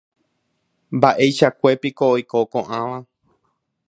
mba'eichakuépiko oiko ko'ãva.